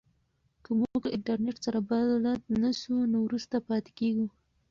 که موږ له انټرنیټ سره بلد نه سو نو وروسته پاتې کیږو.